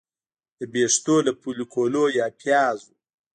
د ویښتو له فولیکونو یا پیازو